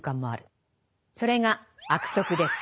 それが「悪徳」です。